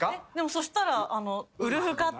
そしたら。